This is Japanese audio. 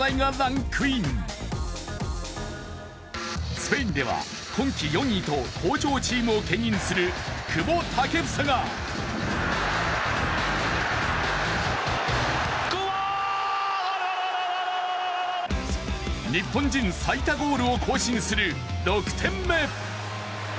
スペインでは今季４位と好調チームを牽引する久保建英が日本人最多ゴールを更新する６点目。